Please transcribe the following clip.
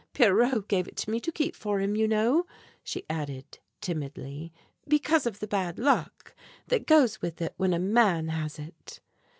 "Pierrot gave it to me to keep for him, you know," she added timidly, "because of the bad luck that goes with it when a man has it!"